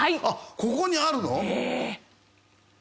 あっここにあるの？